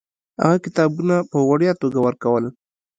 هغه کتابونه په وړیا توګه ورکول.